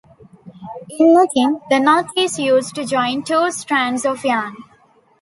In knitting, the knot is used to join two strands of yarn.